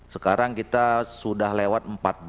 sekarang kita sudah lewat empat belas